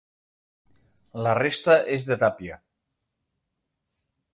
La resta és de tàpia.